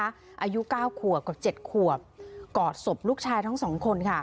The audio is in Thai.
อายุเก้าขวบกว่าเจ็ดขวบกอดศพลูกชายทั้งสองคนค่ะ